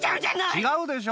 違うでしょ。